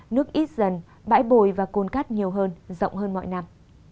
nước ít dần bãi bồi và côn cát nhiều hơn rộng hơn mọi năm